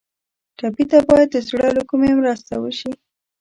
ټپي ته باید د زړه له کومي مرسته وشي.